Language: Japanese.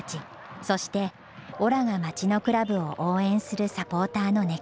そしてオラが町のクラブを応援するサポーターの熱気。